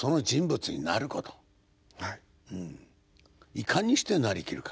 いかにして成りきるか。